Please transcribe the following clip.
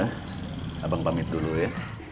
abang pamit dulu ya